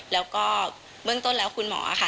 แล้วก็เบื้องต้นแล้วคุณหมอค่ะ